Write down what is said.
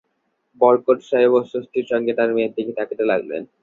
বরকত সাহেব অস্বস্তির সঙ্গে তাঁর মেয়ের দিকে তাকাতে লাগলেন।